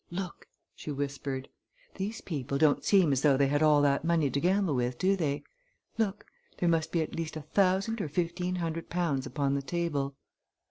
"Look!" she whispered. "These people don't seem as though they had all that money to gamble with, do they? Look! There must be at least a thousand or fifteen hundred pounds upon the table."